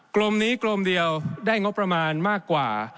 กรมนี้กรมเดียวได้งบประมาณมากกว่า